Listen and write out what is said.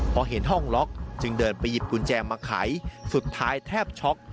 พอเห็นห้องล็อกจึงเดินไปหยิบกุญแจมาไขสุดท้ายแทบช็อก